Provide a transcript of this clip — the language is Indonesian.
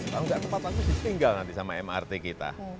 kalau nggak tepat waktu ditinggal nanti sama mrt kita